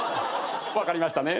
分かりましたね？